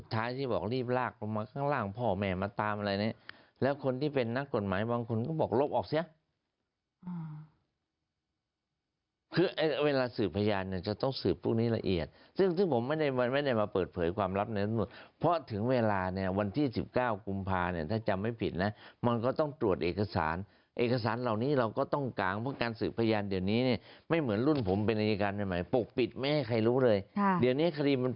ทีนี้หลังจากตอนที่ตำรวจส่งสำนวนถึงมืออัยการ